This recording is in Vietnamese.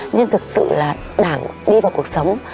nhưng thực sự là đảng đi vào cuộc sống